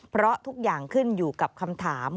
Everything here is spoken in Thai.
เพราะทุกอย่างขึ้นอยู่กับคำถาม